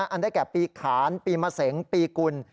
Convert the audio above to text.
อันได้แก่ปีขานปีมะเสงปีกุล